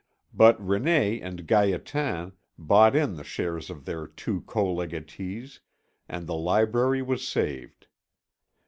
But René and Gaétan bought in the shares of their two co legatees, and the library was saved.